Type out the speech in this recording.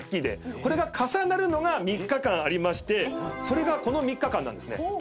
これが重なるのが３日間ありましてそれがこの３日間なんですね。